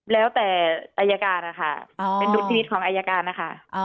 แล้วแต่อายการนะคะเป็นรุ่นที่นิดของอายการนะคะ